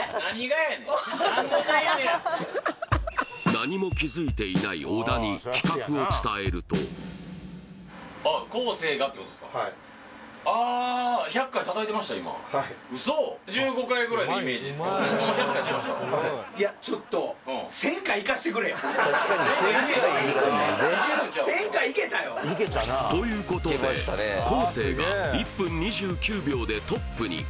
何も気づいていない小田に企画を伝えるとということで昴生が１分２９秒でトップに！